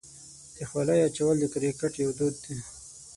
د خولۍ اچول د کرکټ یو دود دی.